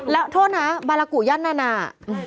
และโทษนะบารกุยันต์นานา